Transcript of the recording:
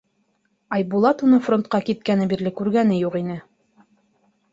Айбулат уны фронтҡа киткәне бирле күргәне юҡ ине.